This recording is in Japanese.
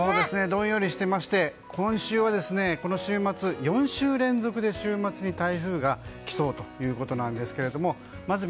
どんよりしていまして今週は、この週末４週連続で週末に台風がきそうということですけどもます